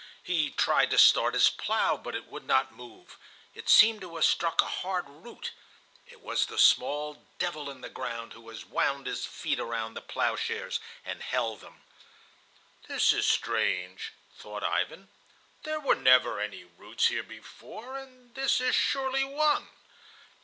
He tried to start his plow, but it would not move; it seemed to have struck a hard root. It was the small devil in the ground who had wound his feet around the plowshares and held them. "This is strange," thought Ivan. "There were never any roots here before, and this is surely one."